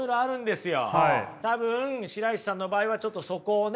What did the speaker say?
多分白石さんの場合はちょっとそこをね